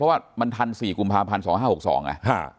เพราะว่ามันมดทัน๔กลุ่มภาพฯทาง๒๕๖๒หน่ะ